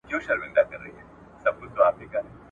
پلرونو یې په وینو رنګولي ول هډونه !.